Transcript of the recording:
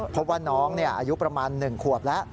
พบว่าน้องอายุประมาณ๑ขวบแล้ว